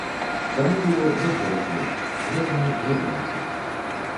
Таму было за сорак год, гэтаму за дваццаць.